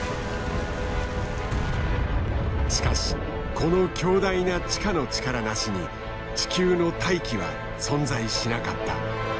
しかしこの強大な地下の力なしに地球の大気は存在しなかった。